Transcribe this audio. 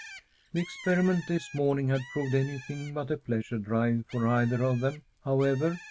The experiment this morning had proved anything but a pleasure drive for either of them, however.